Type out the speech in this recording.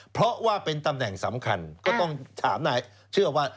เพราะว่าเป็นตำแหน่งสำคัญก็ต้องถามนายเชื่อว่า